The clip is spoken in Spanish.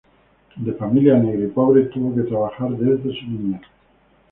De familia negra y pobre, tuvo que trabajar desde su niñez.